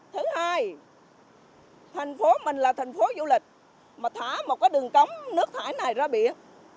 thứ hai thành phố mình là thành phố du lịch mà thả một cái đường cống nước thải này ra biển